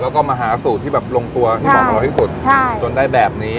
แล้วก็มาหาสูตรที่แบบลงตัวใช่ที่บอกเราที่สุดใช่จนได้แบบนี้